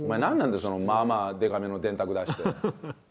そのまあまあでかめの電卓出して。